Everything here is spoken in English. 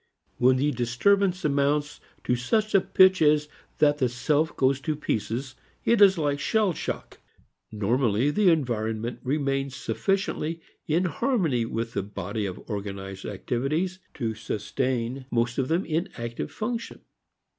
When the disturbance amounts to such a pitch as that, the self goes to pieces. It is like shell shock. Normally, the environment remains sufficiently in harmony with the body of organized activities to sustain most of them in active function.